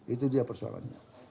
itu dia persoalannya